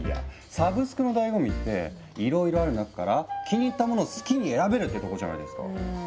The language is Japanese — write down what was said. サブスクのだいご味っていろいろある中から気に入ったものを好きに選べるってとこじゃないですか。